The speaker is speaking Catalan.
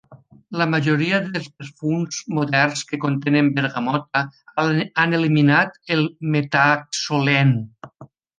La majoria dels perfums moderns que contenen bergamota han eliminat el metoxsalèn.